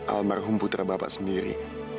almarhum putra bapak sendiri